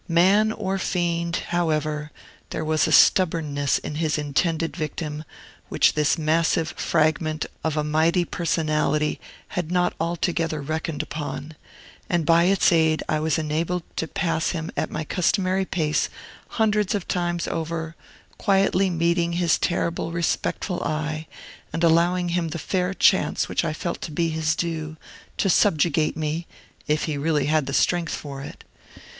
Man or fiend, however, there was a stubbornness in his intended victim which this massive fragment of a mighty personality had not altogether reckoned upon, and by its aid I was enabled to pass him at my customary pace hundreds of times over, quietly meeting his terribly respectful eye, and allowing him the fair chance which I felt to be his due, to subjugate me, if he really had the strength for it.